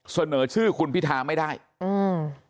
เสนอชื่อคุณพิธาไม่ได้อืม